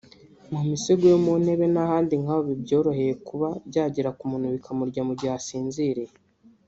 mu misego yo mu ntebe n’ahandi nk’aho bibyoroheye kuba byagera ku muntu bikamurya mu gihe asinziriye